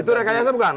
itu rekayasa bukan